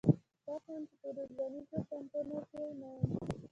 خوښ وم چې په روزنیزو کمپونو کې نه یم.